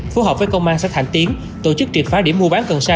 phù hợp với công an sách hành tiến tổ chức triệt phá điểm mua bán cần sa